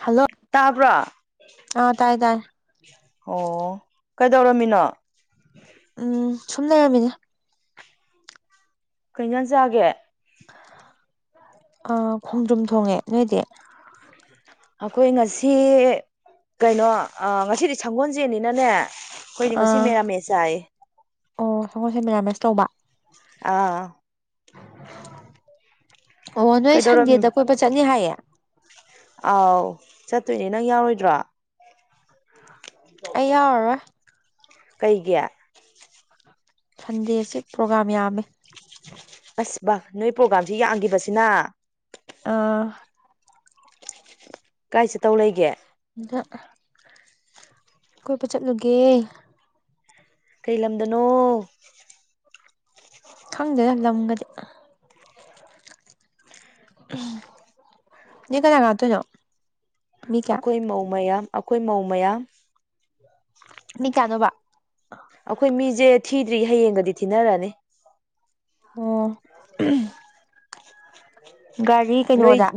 hello ꯇꯥꯕ꯭ꯔꯣ ꯑꯣ ꯑꯥ ꯇꯥꯏ ꯇꯥꯏ ꯀꯩꯗꯧꯔꯝꯃꯤꯅꯣ ꯎꯝ ꯁꯨꯝ ꯂꯩꯔꯝꯃꯤꯅꯦ ꯀꯩꯖꯥꯟ ꯆꯥꯒꯦ ꯑ ꯈꯣꯡꯗ꯭ꯔꯨꯝ ꯊꯣꯡꯉꯦ ꯅꯣꯏꯗꯤ ꯑꯩꯈꯣꯏ ꯉꯁꯤ ꯀꯩꯅꯣ ꯉꯁꯤꯗꯤ ꯁꯪꯒꯣꯜꯖꯦꯟꯅꯤꯅꯅꯦ ꯑꯩꯈꯣꯏꯗꯤ ꯉꯁꯤ ꯑꯥ ꯃꯦꯔꯥꯃꯦ ꯆꯥꯏꯌꯦ ꯑꯣ ꯁꯪꯒꯣꯏꯁꯦ ꯃꯦꯔꯥꯃꯦꯁ ꯇꯧꯕ ꯑꯥ ꯑꯣ ꯅꯣꯏ ꯀꯩꯗꯧꯔꯝꯃꯤ ꯁꯟꯗꯦꯗ ꯀꯣꯏꯄ ꯆꯠꯅꯤ ꯍꯥꯏꯌꯦ ꯑꯥꯎ ꯆꯠꯇꯣꯏꯅꯦ ꯅꯪ ꯌꯥꯎꯔꯣꯏꯗ꯭ꯔꯣ ꯑꯩ ꯌꯥꯎꯔꯔꯣꯏ ꯀꯩꯒꯤ ꯁꯟꯗꯦꯁꯤ ꯄ꯭ꯔꯣꯒꯥꯝ ꯌꯥꯝꯃꯦ ꯑꯁ ꯕꯥ ꯅꯣꯏ ꯄ꯭ꯔꯣꯒꯥꯝꯁꯤ ꯌꯥꯈꯤꯕꯁꯤꯅ ꯑꯥ ꯀꯥꯏꯁꯦ ꯇꯧ ꯂꯩꯒꯦ [unintelligible] ꯀꯣꯏꯕ ꯆꯠꯂꯨꯒꯦ ꯀꯩ ꯂꯝꯗꯅꯣ ꯈꯪꯗꯦꯗ ꯂꯝꯒꯗꯤ [unintelligible] ꯅꯦ ꯀꯅꯥ ꯂꯥꯇꯨꯢꯅꯣ ꯑꯩꯈꯣꯏ ꯃꯧ ꯃꯌꯥꯝ ꯑꯩꯈꯣꯏ ꯃꯧ ꯃꯌꯥꯝ ꯃꯤ ꯀꯌꯥꯅꯣ ꯕ ꯑꯩꯈꯣꯏ ꯃꯤꯁꯦ ꯊꯤꯗ꯭ꯔꯤ ꯍꯌꯦꯡꯒꯗꯤ ꯊꯤꯅꯔꯅꯤ ꯑꯣ ꯑꯨꯝ ꯅꯣꯏ ꯀꯩꯅꯣꯗ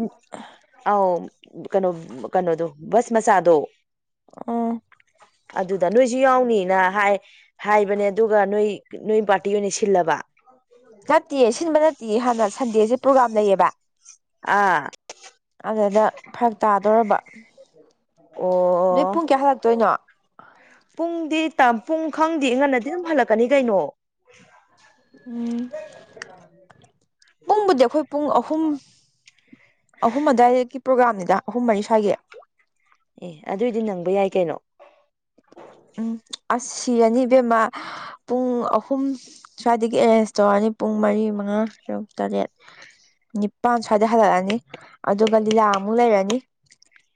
ꯑ ꯀꯩꯅꯣ ꯀꯩꯅꯣꯗꯣ ꯁ ꯃꯁꯥꯗꯣ ꯑꯣ ꯑꯗꯨꯗ ꯑꯗ ꯅꯣꯏꯁꯨ ꯌꯥꯎꯅꯤꯅ ꯍꯥꯏ ꯍꯥꯏꯕꯅꯦ ꯑꯗꯨꯒ ꯅꯣꯏ ꯅꯣꯏ ꯄꯥꯔꯇꯤ ꯑꯣꯏꯅ ꯁꯤꯜꯂꯕ ꯅꯠꯇꯦꯌꯦ ꯁꯤꯟꯕ ꯅꯠꯇꯦꯌꯦ ꯍꯥꯟꯅ ꯁꯟꯗꯦꯁꯦ ꯄ꯭ꯔꯣꯒꯥꯝ ꯂꯩꯌꯦꯕ ꯑꯥ ꯑꯗꯨꯗ ꯐꯛ ꯇꯥꯗꯣꯔꯔꯕ ꯅꯃꯤꯠ ꯑꯣ ꯄꯨꯡ ꯀꯌꯥ ꯍꯜꯂꯛꯇꯣꯏꯅꯣ ꯄꯨꯡꯗꯤ ꯇ ꯄꯨꯡ ꯈꯪꯗꯦ ꯉꯟꯅꯗꯤ ꯑꯗꯨꯝ ꯍꯜꯂꯛꯀꯅꯤ ꯀꯩꯅꯣ ꯎꯝ ꯄꯨꯡꯕꯨꯗꯤ ꯑꯩꯈꯣꯏ ꯄꯨꯡ ꯑꯍꯨꯝ ꯑꯍꯨꯝ ꯑꯋꯥꯏꯗꯦꯛꯀꯤ ꯄ꯭ꯔꯣꯒꯥꯝꯅꯤꯗ ꯑꯍꯨꯝ ꯃꯔꯤ ꯁ꯭ꯋꯥꯏꯒꯤ ꯑꯦ ꯑꯗꯨꯏꯗꯤ ꯅꯪꯕ ꯌꯥꯏ ꯀꯩꯅꯣ ꯎꯝ ꯑꯁ ꯁꯤꯔꯅꯤ ꯏꯕꯦꯝꯃ ꯄꯨꯡ ꯑꯍꯨꯝ ꯁ꯭ꯋꯥꯏꯗꯒꯤ ꯑꯦꯔꯦꯟꯖ ꯇꯧꯔꯅꯤ ꯄꯨꯡ ꯃꯔꯤ ꯃꯉꯥ ꯁꯔꯨꯛ ꯇꯔꯦꯠ ꯅꯤꯄꯥꯟ ꯁ꯭ꯋꯥꯏꯗ ꯍꯜꯂꯛꯑꯅꯤ ꯑꯗꯨꯒ ꯂꯤꯂꯥꯃꯨꯛ ꯂꯩꯔꯅꯤ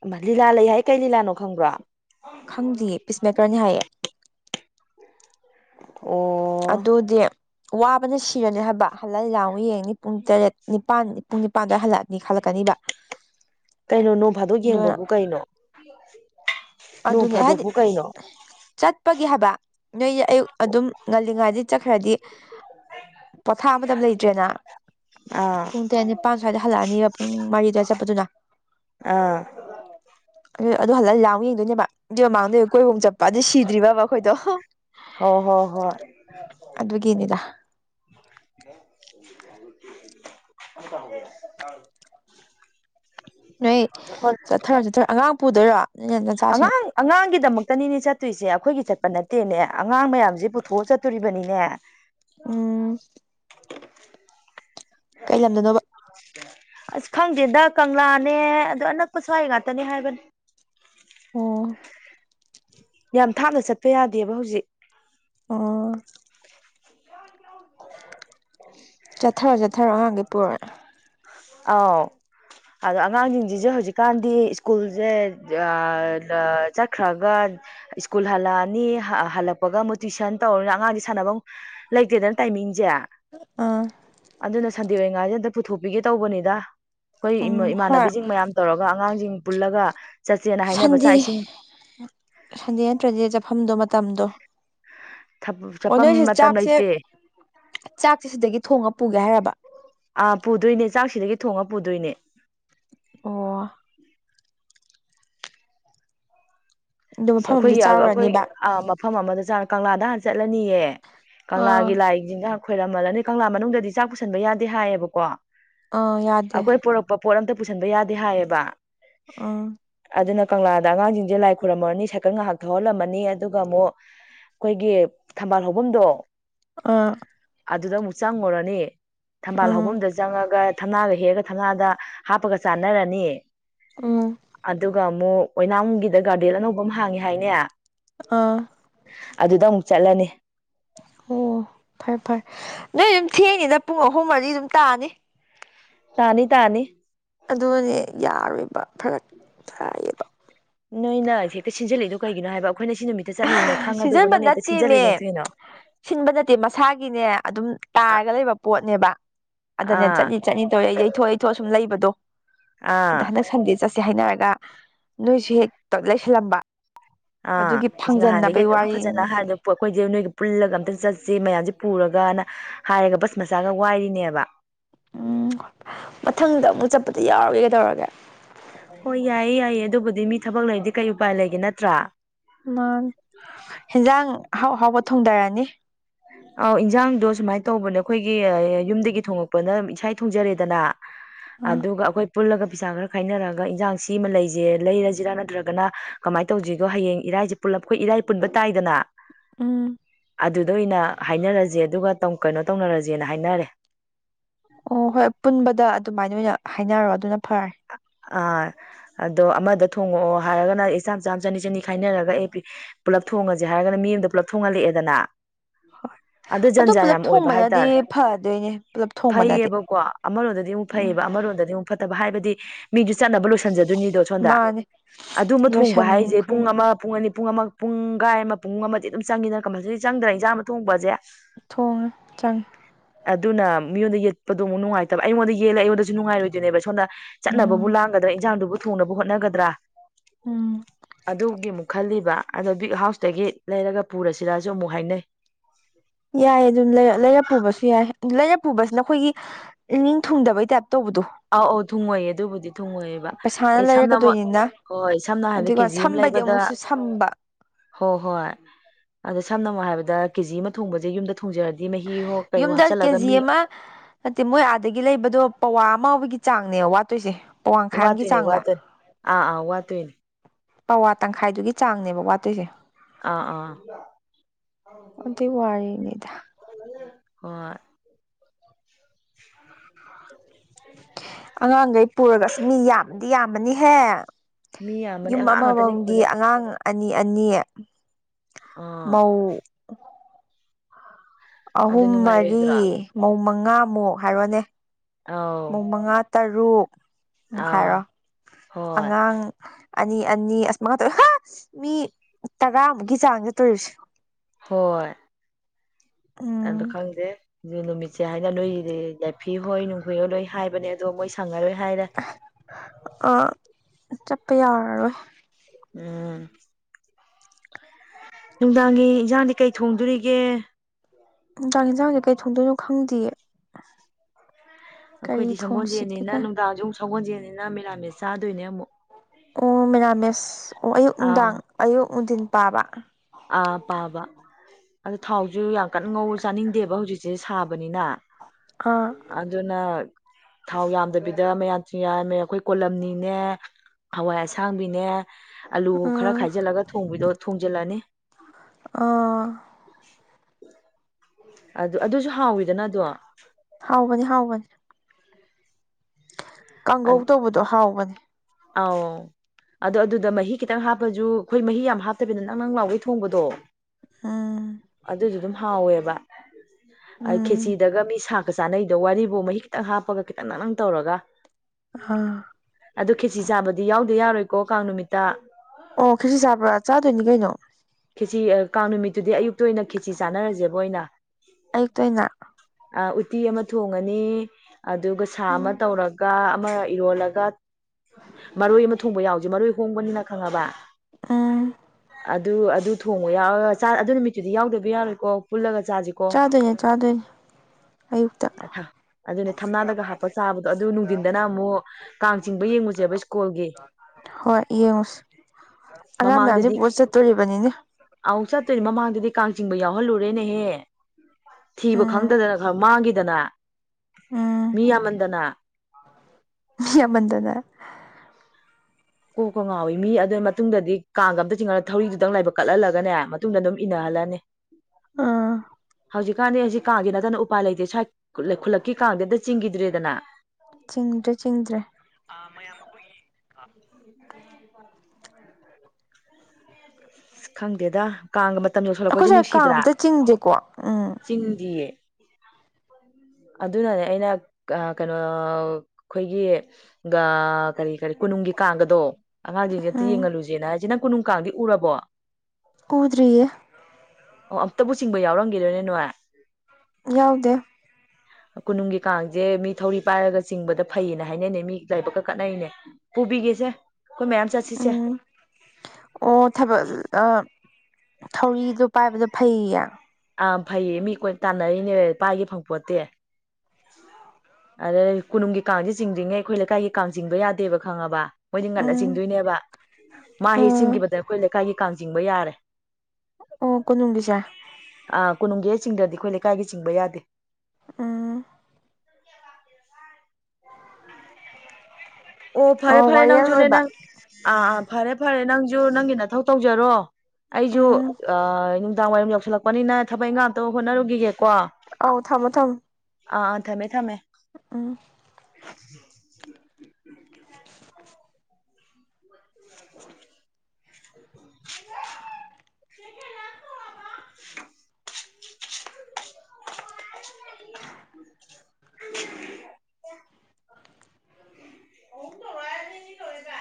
ꯃꯥ ꯂꯤꯂꯥ ꯂꯩ ꯍꯥꯏ ꯀꯩ ꯂꯤꯂꯥꯅꯣ ꯈꯪꯕ꯭ꯔꯣ ꯈꯪꯗꯦꯌꯦ ꯄꯤꯁꯃꯦꯀꯔꯅꯤ ꯍꯥꯏꯌꯦ ꯑꯣ ꯑꯗꯨꯗꯤ ꯋꯥꯕꯅ ꯁꯤꯔꯅꯦ ꯍꯥꯏꯕ ꯍꯜꯂ ꯂꯤꯂꯥ ꯑꯃꯨꯛ ꯌꯦꯡꯅꯤ ꯄꯨꯡ ꯇꯔꯦꯠ ꯅꯤꯄꯥꯟ ꯄꯨꯡ ꯅꯤꯄꯥꯟꯗꯋꯥ ꯍꯜꯂꯛꯑꯅꯤ ꯈꯜꯂꯛꯀꯅꯤꯕ ꯀꯩꯅꯣ ꯅꯣꯡ ꯐꯥꯗꯣꯛ ꯌꯦꯡꯕꯕꯨ ꯀꯩꯅꯣ ꯅꯣꯡ ꯑꯗꯨꯅꯦ ꯍꯥꯏꯗꯤ ꯐꯥꯗꯣꯛꯄꯨ ꯀꯩꯅꯣ ꯆꯠꯄꯒꯤ ꯍꯥꯏꯕ ꯅꯣꯏ ꯑꯌꯨꯛ ꯑꯗꯨꯝ ꯉꯜꯂꯤꯉꯩꯗꯤ ꯆꯠꯈ꯭ꯔꯗꯤ ꯄꯣꯊꯥ ꯑꯃꯇ ꯂꯩꯇ꯭ꯔꯦꯅ ꯑꯥ ꯄꯨꯡ ꯇꯔꯦꯠ ꯅꯤꯄꯥꯟ ꯁ꯭ꯋꯥꯏꯗ ꯍꯜꯂꯛꯑꯅꯤꯕ ꯄꯨꯡ ꯃꯔꯤꯗ ꯆꯠꯄꯗꯨꯅ ꯑꯥ ꯑꯗꯨ ꯑꯗꯨ ꯍꯜꯂ ꯂꯤꯂꯥꯃꯨꯛ ꯌꯦꯡꯗꯣꯏꯅꯦꯕ ꯑꯗꯨꯏ ꯃꯃꯥꯡꯗꯣ ꯀꯣꯏꯕ ꯑꯃꯨꯛ ꯆꯠ ꯄꯥꯗꯤ ꯁꯤꯗ꯭ꯔꯤꯕꯕ ꯑꯩꯈꯣꯏꯗꯣ ꯍꯣꯏ ꯍꯣꯏ ꯍꯣꯏ ꯑꯗꯨꯒꯤꯅꯤꯗ ꯀ [unintelligible] ꯅꯣꯏ ꯍꯣꯏ ꯆꯠꯊꯔꯣ ꯆꯠꯊꯔꯣ ꯑꯉꯥꯡ ꯄꯨꯗꯣꯏꯔꯣ ꯅꯣꯏ ꯅꯆꯥꯁꯤꯡ ꯑꯉꯥꯡ ꯑꯉꯥꯡꯒꯤꯗꯃꯛꯇꯅꯤꯅꯦ ꯆꯠ ꯇꯣꯏꯁꯦ ꯑꯩꯈꯣꯏꯒꯤ ꯆꯠꯄ ꯅꯠꯇꯦꯅꯦ ꯑꯉꯥꯡ ꯃꯌꯥꯝꯁꯦ ꯄꯨꯊꯣꯛꯑ ꯆꯠꯇꯣꯔꯤꯕꯅꯤꯅꯦ ꯎꯝ ꯀꯩ ꯂꯝꯗꯅꯣꯕ ꯑꯁ ꯈꯪꯗꯦꯗ ꯀꯪꯂꯥꯅꯦ ꯑꯗ ꯑꯅꯛꯄ ꯁ꯭ꯋꯥꯏ ꯉꯥꯛꯇꯅꯦ ꯍꯥꯏꯕꯅꯤ ꯑꯣ ꯌꯥꯝ ꯊꯥꯞꯅ ꯆꯠꯄ ꯌꯥꯗꯦꯕ ꯍꯧꯖꯤꯛ ꯑꯣ ꯆꯠꯊꯔꯣ ꯆꯠꯊꯔꯣ ꯑꯍꯥꯡꯒꯩ ꯄꯨꯔ ꯑꯥꯎ ꯑꯗꯣ ꯑꯉꯥꯡꯁꯤꯡꯁꯤꯁꯨ ꯍꯧꯖꯤꯛꯀꯥꯟꯗꯤ ꯁ꯭ꯀꯨꯜꯖ‍ꯦ ꯆꯠꯈ꯭ꯔꯒ ꯁ꯭ꯀꯨꯜ ꯍꯜꯂꯛꯑꯅꯤ ꯍꯜꯂꯛꯄꯒ ꯑꯃꯨꯛ ꯇꯨꯋꯏꯁꯟ ꯇꯧꯔ ꯑꯉꯥꯡꯗꯤ ꯁꯥꯟꯅ ꯂꯩꯇꯦꯗꯅ ꯇꯥꯏꯃꯤꯡꯖ‌ꯦ ꯑꯥ ꯑꯗꯨꯅ ꯁꯟꯗꯦ ꯑꯣꯏꯉꯥꯏꯗ ꯑꯝꯇ ꯄꯨꯊꯣꯛꯄꯤꯒꯦ ꯇꯧꯕꯅꯤꯗ ꯑꯩꯈꯣꯏ ꯎꯝ ꯍꯣꯏ ꯏꯃꯥꯟꯅꯕꯤꯁꯤꯡ ꯃꯌꯥꯝ ꯇꯧꯔꯒ ꯑꯉꯥꯡꯁꯤꯡ ꯄꯨꯜꯂꯒ ꯆꯠꯁꯦꯅ ꯍꯥꯏꯅꯕ ꯁꯟꯗꯦ ꯆꯥꯛ ꯏꯁꯤꯡ ꯁꯟꯗꯦ ꯅꯠꯇ꯭ꯔꯗꯤ ꯆꯠꯐꯝꯗꯣ ꯃꯇꯝꯗꯣ ꯑꯣ ꯆꯠꯐꯝ ꯅꯣꯏꯁꯦ ꯃꯇꯝ ꯆꯥꯛꯁꯦ ꯂꯩꯇꯦ ꯆꯥꯛꯁꯦ ꯁꯤꯗꯒꯤ ꯊꯣꯡꯉ ꯄꯨꯒꯦ ꯍꯥꯏꯔꯕ ꯑꯥ ꯄꯨꯗꯣꯏꯅꯦ ꯆꯥꯛꯁꯤꯗꯒꯤ ꯊꯣꯡꯉ ꯄꯨꯗꯣꯏꯅꯦ ꯑꯣ ꯑꯗꯨ ꯃꯐꯝ ꯑꯝꯗ ꯑꯩꯈꯣꯏꯒꯤ ꯑꯩꯈꯣꯏ ꯆꯥꯔꯨꯔꯅꯤꯕ ꯃꯐꯝ ꯑꯃꯗ ꯆ ꯀꯪꯂꯥꯗ ꯍꯥꯟꯅ ꯆꯠꯂꯅꯤꯌꯦ ꯑꯥ ꯀꯪꯂꯥꯒꯤ ꯂꯥꯏ ꯖꯤꯡꯖ ꯈꯣꯏꯔꯝꯃꯜꯂꯅꯤ ꯀꯪꯂꯥ ꯃꯅꯨꯡꯗꯗꯤ ꯆꯥꯛ ꯄꯨꯁꯟꯕ ꯌꯥꯗꯦ ꯍꯥꯏꯌꯦꯕꯀꯣ ꯑꯥ ꯌꯥꯗꯦ ꯑꯩꯈꯣꯏ ꯄꯣꯔꯛ ꯄꯄꯣꯠ ꯑꯃꯇ ꯄꯨꯁꯟꯕ ꯌꯥꯗꯦ ꯍꯥꯏꯌꯦꯕ ꯑ ꯑꯗꯨꯅ ꯀꯪꯂꯥꯗ ꯑꯉꯥꯡꯁꯤꯡꯁꯦ ꯂꯥꯏ ꯈ‌ꯣꯏꯔꯝꯃꯨꯔꯅꯤ ꯁꯥꯏꯀꯜ ꯉꯥꯏꯍꯥꯛ ꯊꯧꯍꯜꯂꯝꯃꯅꯤ ꯑꯗꯨꯒ ꯑꯃꯨꯛ ꯃ‌ꯣꯏꯒꯤ ꯊꯝꯕꯥꯜ ꯍꯧꯕꯝꯗꯣ ꯑꯥ ꯑꯗꯨꯗ ꯑꯃꯨꯛ ꯆꯪꯉꯨꯔꯅꯤ ꯊꯝꯕꯥꯜ ꯎꯝ ꯍꯧꯕꯝꯗ ꯆꯪꯉꯒ ꯊꯝꯅꯒ ꯍꯦꯛꯑꯒ ꯊꯅꯥꯗ ꯍꯥꯞꯄꯒ ꯆꯥꯟꯅꯔꯅꯤ ꯎꯝ ꯑꯗꯨꯒ ꯑꯃꯨꯛ ꯑꯣꯏꯅꯥꯝꯒꯤꯗ ꯒꯥꯔꯗꯦꯟ ꯑꯅꯧꯕ ꯑꯝ ꯍꯥꯡꯉꯦ ꯍꯥꯏꯅꯦ ꯑꯥ ꯑꯗꯨꯗ ꯑꯃꯨꯛ ꯆꯠꯂꯅꯤ ꯑꯣ ꯐꯔꯦ ꯐꯔꯦ ꯅꯣꯏ ꯑꯗꯨꯝ ꯊꯦꯡꯅꯤꯗ ꯄꯨꯡ ꯑꯍꯨꯝ ꯃꯔꯤ ꯑꯗꯨꯝ ꯇꯥꯅꯤ ꯇꯥꯅꯤ ꯇꯥꯅꯤ ꯑꯗꯨꯒꯅꯦ ꯌꯥꯔꯣꯏꯕ ꯐꯔꯛ ꯇꯥꯏꯌꯦ ꯅꯣꯏꯅ ꯍꯦꯛꯇ ꯁꯤꯟꯖꯜꯂꯤꯗꯣ ꯀꯩꯒꯤꯅꯣ ꯍꯥꯏꯕ ꯑꯩꯈꯣꯏꯅ ꯁꯤ ꯅꯨꯃꯤꯠ ꯁꯤꯖꯤꯟꯕ ꯅꯠꯇꯦꯃꯦ ꯀꯩꯅꯣ ꯁꯤꯟꯕ ꯅꯠꯇꯦ ꯃꯁꯥꯒꯤꯅꯦ ꯑꯗꯨꯝ ꯑꯥ ꯇꯥꯔꯒ ꯂꯩꯕ ꯄꯣꯠꯅꯦꯕ ꯑꯗꯅꯦ ꯑꯥ ꯆꯠꯂꯤ ꯆꯠꯅꯤ ꯇꯧꯔꯦ ꯑꯩ ꯌꯩꯊꯣꯛ ꯌꯩꯊꯣꯛꯑꯁꯨꯝ ꯂꯩꯕꯗꯣ ꯑꯗ ꯑꯥ ꯍꯟꯗꯛ ꯁꯟꯗꯦ ꯆꯠꯁꯦ ꯍꯥꯏꯅꯔꯒ ꯅꯣꯏꯁꯤ ꯇꯛ ꯂꯩꯁꯤꯜꯂꯝꯕ ꯑ ꯅꯍꯥꯟꯗꯒꯤ ꯑꯗꯨꯝ ꯐꯖꯟꯅ ꯋꯥꯔꯤꯅꯤꯁꯦ ꯍꯥꯏꯗꯨ ꯑꯩꯈꯣꯏꯁꯦ ꯅꯣꯏꯒ ꯄꯨꯜꯂꯒ ꯑꯝꯇ ꯆꯠꯁꯦ ꯃꯌꯥꯝꯁꯦ ꯄꯨꯔꯒꯅ ꯍꯥꯏꯔꯒ ꯕꯁ ꯃꯆꯥꯒ ꯋꯥꯏꯔꯤꯅꯦꯕ ꯎꯝ ꯃꯊꯪꯗ ꯑꯃꯨꯛ ꯆꯠꯄꯗ ꯌꯥꯎꯔꯒꯦ ꯀꯩꯗꯧꯔꯒꯦ ꯍꯣꯏ ꯌꯥꯏꯌꯦ ꯌꯥꯏꯌꯦ ꯑꯗꯨꯕꯨꯗꯤ ꯃꯤ ꯊꯕꯛ ꯂꯩꯔꯗꯤ ꯀꯩ ꯎꯄꯥꯏ ꯂꯩꯒꯦ ꯅꯠꯇ꯭ꯔꯥ ꯃꯥꯅꯦ ꯍꯦꯟꯖꯥꯡ ꯑꯍꯥꯎ ꯑꯍꯥꯎꯕ ꯊꯣꯡꯗꯔꯅꯤ ꯑꯧ ꯏꯟꯖꯥꯡꯗꯣ ꯁꯨꯃꯥꯏꯅ ꯇꯧꯕꯅꯦ ꯑꯩꯈꯣꯏꯒꯤ ꯌꯨꯝꯗꯒꯤ ꯊꯣꯡꯉꯛꯄꯅ ꯏꯁꯥ ꯊꯣꯡꯖꯔꯦꯗꯅ ꯑ ꯑꯗꯨꯒ ꯑꯩꯈꯣꯏ ꯄꯨꯜꯂꯒ ꯄꯩꯁꯥ ꯈꯔ ꯈꯥꯏꯅꯔꯒ ꯏꯟꯖꯥꯡ ꯁꯤꯃ ꯂꯩꯁꯦ ꯂꯩꯔꯁꯤꯔꯥ ꯅꯠꯇ꯭ꯔꯒꯅ ꯀꯃꯥꯏꯅ ꯇꯧꯁꯦꯗꯣ ꯍꯌꯦꯡ ꯏꯔꯥꯏꯁꯦ ꯄꯨꯜꯂꯞ ꯑꯩꯈꯣꯏ ꯏꯔꯥꯏ ꯄꯨꯟꯕ ꯇꯥꯏꯗꯅ ꯎꯝ ꯑꯗꯨ ꯑ ꯑꯣꯏꯅ ꯍꯥꯏꯅꯔꯁꯦ ꯑꯗꯨꯒ ꯇꯧ ꯀꯩꯅꯣ ꯇꯧꯅꯔꯁꯦꯅ ꯍꯥꯏꯅꯔꯦ ꯑꯣ ꯍꯣꯏ ꯄꯨꯟꯕꯗ ꯑꯗꯨꯃꯥꯏꯅ ꯑꯣꯏꯅ ꯍꯥꯏꯅꯔꯣ ꯑꯗꯨꯅ ꯐꯔꯦ ꯑꯥ ꯑꯗꯣ ꯑꯃꯗ ꯊꯣꯡꯉꯛꯑꯣ ꯍꯥꯏꯔꯒꯅ ꯏꯆꯝ ꯆꯥꯝ ꯆꯅꯤ ꯆꯅꯤ ꯈꯥꯏꯅꯔꯒ ꯑꯦ ꯄꯤ ꯄꯨꯜꯂꯞ ꯊꯣꯡꯉꯁꯦ ꯍꯥꯏꯔꯒꯅ ꯃꯤ ꯑꯃꯗ ꯄꯨꯜꯂꯞ ꯊꯣꯡꯍꯜꯂꯛꯑꯦꯗꯅ ꯑꯗꯨ ꯑꯗꯣ ꯖꯟꯖꯥꯟ ꯄꯨꯂꯞ ꯌꯥꯝ ꯑꯣꯏꯕ ꯍꯥꯏꯇꯥꯔꯦ ꯊꯣꯡꯕꯅꯗꯤ ꯐꯗꯣꯏꯅꯦ ꯄꯨꯂꯞ ꯊꯣꯡꯕꯅꯗꯤ ꯐꯩꯌꯦꯕꯀꯣ ꯑꯃꯔꯣꯝꯗꯗꯤ ꯑꯃꯨꯛ ꯎꯝ ꯐꯩꯑꯕ ꯑꯃꯔꯣꯝꯗꯗꯤ ꯑꯃꯨꯛ ꯐꯠꯇꯕ ꯍꯥꯏꯕꯗꯤ ꯃꯤꯁꯨ ꯆꯠꯅꯕ ꯂꯣꯏꯁꯤꯟꯖꯗꯣꯏꯅꯤꯗꯣ ꯁꯣꯝꯗ ꯃꯥꯅꯦ ꯑꯗꯨꯝꯕ ꯊꯣꯡꯕ ꯍꯥꯏꯁꯦ ꯂꯣꯏꯁꯟꯈ꯭ꯔꯦ ꯄꯨꯡ ꯑꯃ ꯄꯨꯡ ꯑꯅꯤ ꯄꯨꯡ ꯑꯃ ꯄꯨꯡ ꯒꯥꯏ ꯑꯃ ꯄꯨꯡ ꯑꯃꯗꯤ ꯑꯗꯨꯝ ꯆꯪꯉꯤꯗꯅ ꯀꯝꯄꯜꯁꯔꯤ ꯆꯪꯗꯔ ꯏꯟꯖꯥꯡ ꯑꯃ ꯊꯣꯡꯕꯁꯦ ꯊꯣꯡꯉꯦ ꯆꯪꯉꯦ ꯑꯗꯨꯅ ꯃꯤꯉꯣꯟꯗ ꯌꯦꯠꯄꯗꯣ ꯑꯃꯨꯛ ꯅꯨꯡꯉꯥꯏꯇꯕ ꯑꯩꯉꯣꯟꯗ ꯌꯦꯜꯂꯦ ꯑꯩꯉꯣꯟꯗꯁꯨ ꯅꯨꯡꯉꯥꯏꯔꯣꯏꯗꯨꯏꯅꯦꯕ ꯁꯣꯝꯗ ꯆꯠꯅꯕꯕꯨ ꯎꯝ ꯂꯥꯡꯒꯗ꯭ꯔꯥ ꯏꯟꯖꯥꯡꯗꯨꯕꯨ ꯊꯣꯡꯅꯕ ꯍꯣꯠꯅꯒꯗ꯭ꯔꯥ ꯎꯝ ꯑꯗꯨꯒꯤ ꯑꯃꯨꯛ ꯈꯜꯂꯤꯕ ꯑꯗꯣ ꯕꯤꯛ ꯍꯥꯎꯁꯇꯒꯤ ꯂꯩꯔꯒ ꯄꯨꯔꯁꯤꯔꯁꯨ ꯑꯃꯨꯛ ꯍꯥꯏꯅꯩ ꯌꯥꯏ ꯑꯗꯨꯝ ꯂꯩꯔ ꯂꯩꯔ ꯄꯨꯕꯁꯨ ꯌꯥꯏ ꯂꯩꯔ ꯄꯨꯕꯁꯤꯅ ꯑꯩꯈꯣꯏꯒꯤ ꯏꯅꯤꯡ ꯊꯨꯡꯗꯕꯩ ꯇꯥꯏꯞ ꯇꯧꯕꯗꯣ ꯑꯧ ꯑꯧ ꯊꯨꯡꯉꯣꯏꯌꯦ ꯑꯗꯨꯕꯨꯗꯤ ꯊꯨꯡꯉꯣꯏꯑꯦꯕ ꯄꯩꯁꯥꯅ ꯑꯦ ꯁꯝꯅꯃꯛ ꯂꯩꯔꯛꯀꯗꯣꯏꯅꯤꯅ ꯍꯣꯏ ꯁꯝꯅ ꯍꯥꯏꯗ ꯑꯗꯨꯒ ꯀꯦꯖꯤ ꯑꯃ ꯁꯝꯕꯗꯤ ꯂꯩꯕꯗ ꯑꯃꯨꯛꯁꯨ ꯁꯝꯕ ꯍꯣꯏ ꯍꯣꯏ ꯑꯗꯣ ꯁꯝꯅꯃꯨꯛ ꯍꯥꯏꯕꯗ ꯀꯦꯖꯤ ꯑꯃ ꯊꯣꯡꯕꯁꯦ ꯌꯨꯝꯗ ꯊꯣꯡꯖꯔꯗꯤ ꯃꯍꯤꯋꯣ ꯀꯩꯋꯣ ꯌꯨꯝꯗ ꯍꯥꯞꯆꯤꯜꯂꯒ ꯃꯤ ꯀꯦꯖꯤ ꯑꯃ ꯅꯠꯇꯦ ꯃꯣꯏ ꯑꯥꯗꯒꯤ ꯂꯩꯕꯗꯣ ꯄꯋꯥ ꯑꯃꯥꯎꯕꯒꯤ ꯆꯥꯡꯅꯦꯕ ꯋꯥꯠꯇꯣꯏꯁꯦ ꯄꯋꯥ ꯈꯥꯏ ꯑꯃꯒꯤ ꯋꯥꯠꯇꯣꯏꯅꯤ ꯆꯥꯡꯂ ꯋꯥꯊꯣꯏꯅꯤ ꯑꯥ ꯑꯥ ꯋꯥꯠꯇꯣꯏꯅꯤ ꯄꯧꯋꯥ ꯇꯪꯈꯥꯏꯗꯨꯒꯤ ꯆꯥꯡꯅꯦꯕ ꯋꯥꯇꯣꯏꯁꯦ ꯑꯥ ꯑꯥ ꯑꯗꯨꯏ ꯋꯥꯔꯅꯤꯗ ꯍꯣꯏ [unintelligible] ꯑꯉꯥꯡꯈꯩ ꯄꯨꯔꯒ ꯑꯁ ꯃꯤ ꯌꯥꯝꯗꯤ ꯌꯥꯝꯕꯅꯤꯍꯦ ꯃꯤ ꯌꯥꯝꯕꯅꯦ ꯌꯨꯝ ꯑꯉꯥꯡ ꯉꯥꯛꯇꯅꯦ ꯑꯃꯃꯝꯒꯤ ꯄꯨꯜꯂꯦ ꯑꯉꯥꯡ ꯑꯅꯤ ꯑꯅꯤ ꯑꯥ ꯃꯧ ꯑꯗꯨ ꯑꯍꯨꯝ ꯃꯔꯤ ꯅꯨꯡꯉꯥꯏꯔꯣꯏꯗ꯭ꯔꯣ ꯃꯧ ꯃꯉꯥꯃꯨꯛ ꯍꯥꯏꯔꯣꯅꯦ ꯑꯧ ꯃꯧ ꯃꯉꯥ ꯇꯔꯨꯛ ꯑꯃꯨꯛ ꯍꯥꯏꯔꯣ ꯑꯥ ꯍꯣꯏ ꯑꯉꯥꯡ ꯑꯅꯤ ꯑꯅꯤ ꯑꯁ ꯃꯉꯥ ꯇꯔꯨꯛ ꯍꯥ ꯃꯤ ꯇꯔꯥꯃꯨꯛꯀꯤ ꯆꯥꯡꯆꯠꯇꯧꯔꯤꯁꯦ ꯍꯣꯏ ꯑꯗꯣ ꯎꯝ ꯈꯪꯗꯦ ꯑꯗꯨ ꯅꯨꯃꯤꯠꯁꯦ ꯍꯥꯏꯅ ꯅꯣꯏꯒꯤ ꯌꯥꯏꯐꯤ ꯍꯣꯏ ꯅꯨꯡꯈꯨꯍꯣꯏ ꯂꯣꯏ ꯍꯥꯏꯕꯅꯦ ꯑꯗꯣ ꯃꯣꯏ ꯁꯪꯉꯔꯣꯏ ꯍꯥꯏꯔꯦ ꯑ ꯆꯠꯄ ꯌꯥꯔꯔꯣꯏ ꯎꯝ ꯅꯨꯡꯗꯥꯡꯒꯤ ꯏꯟꯖꯥꯡꯗꯤ ꯀꯩ ꯊꯣꯡꯗꯣꯔꯤꯒꯦ ꯟꯖꯥꯛ ꯌꯦꯟꯁꯥꯡꯁꯦ ꯀꯩ ꯊꯣꯡꯗꯣꯏꯅꯣ ꯈꯪꯗꯦꯌꯦ ꯀꯔꯤ ꯑꯩꯈꯣꯏꯗꯤ ꯊꯣꯡꯁꯤꯒꯦ ꯁꯪꯒꯣꯜꯖꯦꯟꯁꯤꯅ ꯀꯥꯏ ꯅꯨꯡꯗꯥꯡꯁꯨꯨꯛ ꯁꯒꯣꯜꯖꯦꯟꯁꯤꯅ ꯃꯤꯦꯔꯥꯃꯦꯠ ꯆꯥꯗꯣꯏꯅꯦ ꯑꯃꯨꯛ ꯑꯣ ꯃꯦꯔꯥꯃꯦꯁ ꯑꯣ ꯑꯌꯨꯛ ꯑꯥ ꯅꯨꯡꯗꯥꯡ ꯑꯌꯨꯛ ꯅꯨꯡꯊꯤꯟ ꯄꯥꯕ ꯑꯥ ꯄꯥꯕ ꯑꯗꯣ ꯊꯥꯎꯁꯨ ꯌꯥꯝ ꯀꯟꯅ ꯉꯧ ꯆꯥꯅꯤꯡꯗꯦꯕ ꯍꯧꯖꯤꯛꯁꯦ ꯁꯥꯕꯅꯤꯅ ꯑꯥ ꯑꯗꯨꯅ ꯊꯥꯎ ꯌꯥꯝꯗꯕꯤꯗ ꯃꯌꯥꯝꯁꯨꯨꯡ ꯌꯥꯝꯔꯝꯃꯦ ꯑꯩꯈꯣꯏ ꯀꯣꯂꯝꯅꯤꯅꯦ ꯍꯋꯥꯏ ꯑꯁꯥꯡꯕꯤꯅꯦ ꯑꯂꯨ ꯈꯔ ꯑꯥ ꯈꯥꯏꯖꯤꯜꯂꯒꯗꯣ ꯊꯣꯡꯖꯤꯜꯂꯅꯤ ꯑꯥ ꯑꯗꯨ ꯑꯗꯨꯁꯨ ꯍꯥꯎꯋꯤꯗꯅ ꯑꯗꯣ ꯍꯥꯎꯕꯅꯤ ꯍꯥꯎꯕꯅꯤ ꯀꯥꯡꯍꯧ ꯇꯧꯕꯗꯣ ꯍꯥꯎꯕꯅꯦ ꯑꯧ ꯑꯗꯣ ꯑꯗꯨꯗ ꯃꯍꯤ ꯈꯤꯇꯪ ꯍꯥꯞꯄꯁꯨ ꯑꯩꯈꯣꯏ ꯃꯍꯤ ꯌꯥꯝ ꯍꯥꯞꯇꯕꯤꯗ ꯅꯪ ꯅꯪ ꯂꯥꯎꯒꯩ ꯊꯣꯡꯕꯗꯣ ꯎꯝ ꯑꯗꯨꯁꯨ ꯑꯗꯨꯝ ꯍꯥꯎꯋꯦꯕ ꯎꯝ ꯈꯦꯆꯤꯗꯒ ꯃꯤ ꯁꯥꯛ ꯒ ꯆꯥꯟꯅꯩꯗꯣ ꯋꯥꯔꯤꯕꯨ ꯃꯍꯤ ꯈꯤꯇꯪ ꯍꯥꯞꯄꯒ ꯈꯤꯇꯪ ꯅꯪ ꯅꯪ ꯇꯧꯔꯒ ꯑꯥ ꯑꯗꯨ ꯈꯦꯆꯤ ꯆꯥꯕꯗꯤ ꯌꯥꯎꯗꯥ ꯌꯥꯔꯣꯏꯀꯣ ꯀꯥꯡ ꯅꯨꯃꯤꯠꯇ ꯑꯣ ꯈꯦꯆꯤ ꯆꯥꯕ꯭ꯔꯣ ꯆꯥꯗꯣꯏꯅꯤ ꯀꯩꯅꯣ ꯈꯦꯆꯤ ꯀꯥꯡ ꯅꯨꯃꯤꯠꯇꯨꯗꯤ ꯑꯌꯨꯛꯇ ꯑꯣꯏꯅ ꯈꯦꯆꯤ ꯆꯥꯅꯔꯁꯦꯕ ꯑꯣꯏꯅ ꯑꯌꯨꯛꯇ ꯑꯣꯏꯅ ꯑ ꯎꯇꯤ ꯑꯃ ꯊꯣꯡꯉꯅꯤ ꯑꯗꯨꯒ ꯁꯥꯛ ꯑꯃ ꯎꯝ ꯇꯧꯔ ꯒ ꯑꯃ ꯏꯔꯣꯜꯂꯒ ꯃꯔꯣꯏ ꯑꯃ ꯊꯣꯡꯕ ꯌꯥꯎꯁꯦ ꯃꯔꯣꯏ ꯍꯣꯡꯕꯅꯤꯅ ꯈꯪꯉꯕ ꯑꯝ ꯑꯗꯨ ꯑꯗꯨ ꯊꯣꯡꯕ ꯌꯥꯎꯔꯒ ꯆꯥ ꯑꯗꯨ ꯅꯨꯃꯤꯠꯇꯨꯗꯤ ꯌꯥꯎꯗꯕ ꯌꯥꯔꯣꯏꯀꯣ ꯄꯨꯜꯂꯒ ꯆꯥꯁꯦ ꯆꯥꯗꯣꯏꯅꯦ ꯆꯥꯗꯣꯏꯅꯦ ꯑꯌꯨꯛꯇ ꯑ ꯑꯗꯨꯅꯦ ꯊꯝꯅꯥꯗꯒ ꯍꯥꯞꯄ ꯆꯥꯕꯗꯣ ꯑꯗꯨ ꯅꯨꯡꯊꯤꯟꯗꯅ ꯑꯃꯨꯛ ꯀꯥꯡ ꯆꯤꯡꯕ ꯌꯦꯡꯉꯨꯁꯦꯕ ꯁ꯭ꯀꯨꯜꯒꯤ ꯍꯣꯏ ꯌꯦꯡꯉꯨꯁꯤ ꯑꯉꯥꯡ ꯃꯌꯥꯝꯁꯦ ꯄꯨꯔ ꯆꯠꯇꯣꯔꯤꯕꯅꯤꯅꯦ ꯑꯧ ꯆꯠꯇꯣꯏꯅꯦ ꯃꯃꯥꯡꯗꯗꯤ ꯀꯥꯡ ꯆꯤꯡꯕ ꯌꯥꯎꯍꯜꯂꯨꯔꯦꯅꯦꯍꯦ ꯊꯤꯕ ꯎꯝ ꯈꯪꯗꯗꯅ ꯈꯔ ꯃꯥꯡꯈꯤꯗꯅ ꯎꯝ ꯃꯤ ꯌꯥꯝꯃꯟꯗꯅ ꯃꯤ ꯌꯥꯝ ꯃꯟꯗꯅ ꯀꯣꯛꯀꯥ ꯉꯥꯎꯏꯤ ꯃꯤ ꯑꯗꯨ ꯃꯇꯨꯡꯗꯗꯤ ꯀꯥꯡꯒ ꯑꯝꯇ ꯆꯤꯡꯍꯜꯂ ꯊꯧꯔꯤꯗꯨꯗꯪ ꯂꯥꯏꯕꯛ ꯀꯠꯍꯜꯂꯒꯅꯦ ꯃꯇꯨꯡꯗ ꯑꯗꯨꯝ ꯏꯟꯅꯍꯜꯂꯅꯤ ꯑꯥ ꯍꯧꯖꯤꯛꯀꯥꯟꯗꯤ ꯍꯧꯖꯤꯛ ꯀꯥꯡꯒꯤ ꯅꯠꯇꯅ ꯎꯄꯥꯏ ꯂꯩꯇꯦ ꯁ꯭ꯋꯥꯏ ꯈꯨꯜꯂꯛꯀꯤ ꯀꯥꯡꯗꯤ ꯑꯝꯇ ꯆꯤꯡꯈꯤꯗ꯭ꯔꯦꯗꯅ ꯆꯤꯡꯗ꯭ꯔꯦ ꯆꯤꯡꯗ꯭ꯔꯦ [unintelligible] ꯑꯁ ꯈꯪꯗꯦꯗ ꯀꯥꯡꯒ ꯃꯇꯝ ꯑꯩꯈꯣꯏ ꯌꯧꯁꯤꯜꯂꯛꯄꯁꯦ ꯁ꯭ꯋꯥꯏ ꯀꯥꯡ ꯅꯨꯡꯁꯤꯗ꯭ꯔꯥ ꯑꯝꯇ ꯆꯤꯡꯗꯦꯀꯣ ꯎꯝ ꯆꯤꯡꯗꯤꯌꯦ ꯑꯗꯨꯅꯅꯦ ꯑꯩꯅ ꯑ ꯀꯩꯅꯣ ꯑꯩꯈꯣꯏꯒꯤ ꯒ ꯀꯔꯤ ꯀꯔꯤ ꯀꯣꯅꯨꯡꯒꯤ ꯀꯥꯡꯒꯗꯣ ꯑꯉꯥꯡꯁꯤꯡꯁꯦ ꯑꯝꯇꯥ ꯎꯝ ꯌꯦꯡꯍꯜꯂꯨꯁꯦꯅ ꯍꯥꯏꯁꯤ ꯅꯪ ꯀꯣꯅꯨꯡ ꯀꯥꯡꯗꯤ ꯎꯔꯕꯣ ꯄꯨꯗ꯭ꯔꯤꯌꯦ ꯑꯣ ꯑꯝꯇꯕꯨ ꯆꯤꯡꯕ ꯌꯥꯎꯔꯝꯒꯤꯔꯣꯏꯅꯦ ꯅꯣꯏ ꯌꯥꯎꯗꯦ [unintelligible] ꯀꯣꯅꯨꯡꯒꯤ ꯀꯥꯡꯁꯦ ꯃꯤ ꯊꯧꯔꯤ ꯄꯥꯏꯔꯒ ꯆꯤꯡꯕꯗ ꯐꯩꯌꯦꯅ ꯍꯥꯏꯅꯩꯅꯦ ꯃꯤ ꯂꯥꯏꯕꯛꯀ ꯀꯠꯅꯩꯅꯦ ꯄꯨꯕꯤꯒꯦꯁꯦ ꯑꯩꯈꯣꯏ ꯃꯌꯥꯝ ꯆꯠꯁꯤꯁꯦ ꯎꯝ ꯑꯣ ꯊꯕꯛ ꯑꯥ ꯊꯧꯔꯤꯗꯣ ꯄꯥꯏꯕꯗꯣ ꯐꯩꯌꯦꯌꯦ ꯑꯥ ꯐꯩꯌꯦ ꯃꯤ ꯀꯣꯏ ꯇꯥꯟꯅꯔꯤꯅꯦ ꯄꯥꯏꯒꯦ ꯐꯪꯄꯣꯠꯇꯦ ꯑꯗꯩ ꯀꯣꯅꯨꯡꯒꯤ ꯀꯥꯡꯁꯦ ꯆꯤꯡꯗ꯭ꯔꯤꯉꯩ ꯑꯩꯈꯣꯏ ꯂꯩꯀꯥꯏꯒꯤ ꯀꯥꯡ ꯆꯤꯡꯕ ꯌꯥꯗꯦꯕ ꯈꯪꯉꯥꯕ ꯃꯣꯏꯗꯤ ꯉꯟꯅ ꯎꯝ ꯆꯤꯡꯗꯣꯏꯅꯦꯕ ꯃꯥ ꯍꯦꯛ ꯑꯣ ꯆꯤꯡꯈꯤꯕꯗꯅ ꯑꯩꯈꯣꯏ ꯂꯩꯀꯥꯏꯒꯤ ꯀꯥꯡ ꯆꯤꯡꯕ ꯌꯥꯔꯦ ꯑꯣ ꯀꯣꯅꯨꯡꯒꯤꯁꯦ ꯑꯥ ꯀꯣꯅꯨꯡꯒꯤ ꯆꯤꯡꯗ꯭ꯔꯗꯤ ꯑꯩꯈꯣꯏ ꯂꯩꯀꯥꯏꯒꯤ ꯆꯤꯡꯕ ꯌꯥꯗꯦ ꯎꯝ ꯑꯣ ꯐꯥꯔꯦ ꯐꯥꯔꯦ ꯋꯥꯌꯦꯜ ꯅꯪꯖꯨꯅꯦ ꯑꯣꯏꯕ ꯅꯪ ꯑꯥ ꯑꯥ ꯐꯔꯦ ꯐꯔꯦ ꯅꯪꯖꯨ ꯅꯪꯒꯤ ꯅꯊꯧ ꯇꯧꯖꯔꯣ ꯑꯩꯁꯨ ꯎꯝ ꯑ [unintelligible] ꯅꯪꯡꯗꯥꯡ ꯋꯥꯏꯔꯝ ꯌꯎꯁꯤꯜꯂꯄꯅꯤꯅ ꯊꯕꯛ ꯏꯈꯥꯡ ꯑꯝꯇꯥ ꯍꯣꯠꯅꯔꯨꯒꯤꯒꯦ ꯀꯣ ꯑꯥ ꯑꯧ ꯊꯝꯃꯣ ꯊꯝꯃꯣ ꯑꯥ ꯊꯝꯃꯦ ꯊꯝꯃꯦ ꯎꯝ [unintelligible] [unintelligible] [unintelligible] [unintelligible] ꯑꯍꯨꯝ ꯇꯧꯔꯣ ꯍꯥꯏꯔꯒ ꯑꯅꯤ ꯅꯤ ꯇꯧꯔꯛꯏꯕ